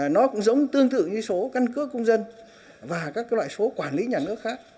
nó cũng giống tương tự như số căn cước công dân và các loại số quản lý nhà nước khác